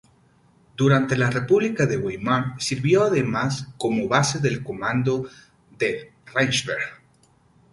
Durante la República de Weimar sirvió además como base del Comando del Reichswehr.